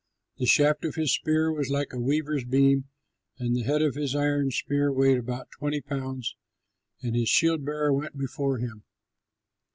The shaft of his spear was like a weaver's beam, and the head of his iron spear weighed about twenty pounds; and his shield bearer went before him.